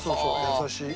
優しい。